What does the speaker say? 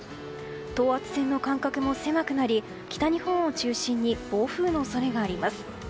等圧線の間隔も狭くなり北日本を中心に暴風の恐れがあります。